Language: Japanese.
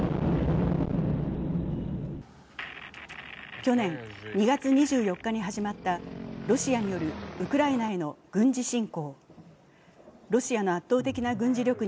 去年２月２４日に始まったロシアによるウクライナへの軍事侵攻。